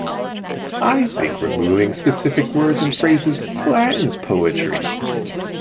I think removing specific words and phrases flattens poetry.